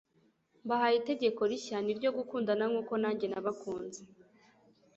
mbahaye itegeko rishya ni iryo gukundana nk'uko nanjye nabakunze